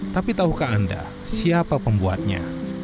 tapi tahukah anda siapa pembuatnya